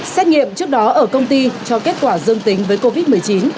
xét nghiệm trước đó ở công ty cho kết quả dương tính với covid một mươi chín